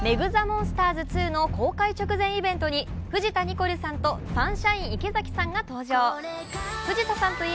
映画「ＭＥＧザ・モンスターズ２」の公開直前イベントに藤田ニコルさんとサンシャイン池崎さんが登場。